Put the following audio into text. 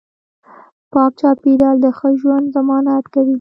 پاک چاپیریال د ښه ژوند ضمانت کوي